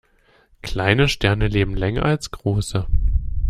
Kleine Sterne leben länger als große.